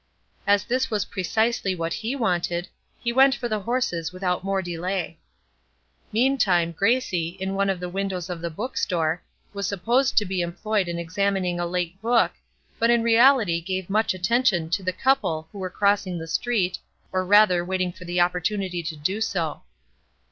As this was precisely what he wanted, he went for the horses without more delay. Meantime, Gracie, in one of the windows of the bookstore, was supposed to be employed in examining a late book, but in reality gave much attention to the couple who were crossing the street, or rather waiting for an opportunity to do so.